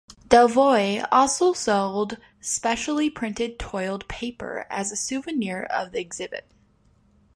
Delvoye also sold specially printed toiled paper as a souvenir of the exhibit.